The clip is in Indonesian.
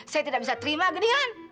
saya tidak bisa terima gedean